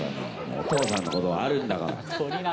お父さんのこともあるんだから。